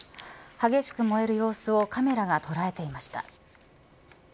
激しく燃える様子をカメラが捉えていました。